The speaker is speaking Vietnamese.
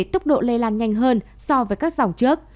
tốc độ lây lan nhanh hơn so với các dòng trước